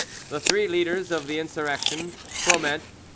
The three leaders of the insurrection—Froment.